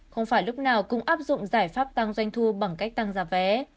không phải lúc nào cũng áp dụng giải pháp tăng doanh thu bằng cách tăng giá vé